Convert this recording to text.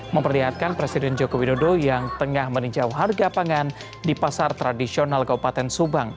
memperlihatkan presiden joko widodo yang tengah meninjau harga pangan di pasar tradisional kabupaten subang